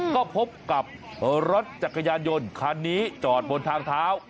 ก็พบกับรถจักรยานยนต์คันนี้จอดบนทางเท้า